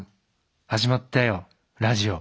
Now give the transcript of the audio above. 始まったよラジオ。